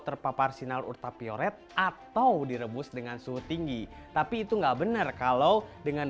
terpapar sinal urtapioret atau direbus dengan suhu tinggi tapi itu enggak benar kalau dengan